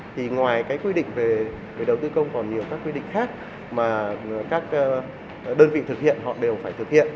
thì ngoài quy định về đầu tư công còn nhiều các quy định khác mà các đơn vị thực hiện họ đều phải thực hiện